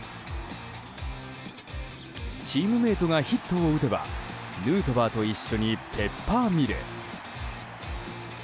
チームメートがヒットを打てばヌートバーと一緒にペッパーミル。